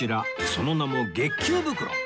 その名も月給袋